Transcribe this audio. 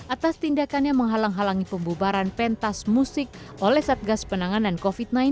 atas tindakannya menghalang halangi pembubaran pentas musik oleh satgas penanganan covid sembilan belas